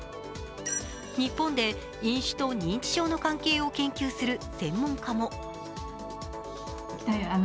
日本で飲酒と認知症の関係を研究する専門家も。